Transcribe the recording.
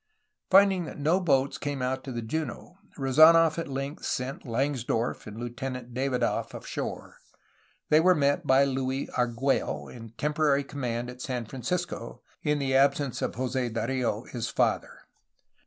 Finding that no boats came out to the JunOy Rezd nof at length sent Langsdorff and Lieutenant Davidoff ashore. They were met by Luis Argtiello, in temporary conunand at San Francisco, in the absence of Jose Dario, his father.